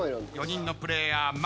４人のプレーヤー